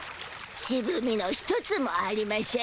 シブみの一つもありましぇん。